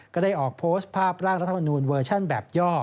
ก็ได้ออกโพสต์ภาพร่างรัฐมนูลเวอร์ชั่นแบบย่อ